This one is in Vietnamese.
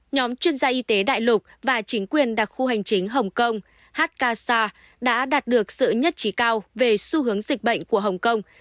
nhóm chuyên gia y tế đại lục và chính quyền đặc khu hành chính hồng kông hkasa đã đạt được sự nhất trí cao về xu hướng dịch bệnh của hồng kông